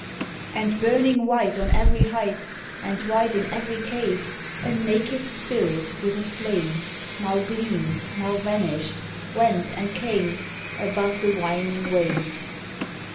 And burning white on every height, And white in every cave, A naked spirit, with a flame, Now gleamed, now vanished; went and came Above the whining wave.